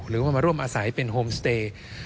หรือว่ามาร่วมอาศัยเป็นโฮมสเตย์